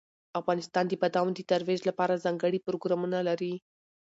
افغانستان د بادامو د ترویج لپاره ځانګړي پروګرامونه لري.